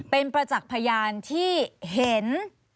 เป็นประจักษ์พยานที่เห็น